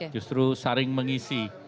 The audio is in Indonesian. justru saring mengisi